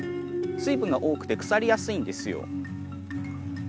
水分が多くて腐りやすいんですよ。